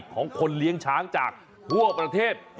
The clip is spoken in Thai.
ของคนเลี้ยงช้างจากทั่วประเทศ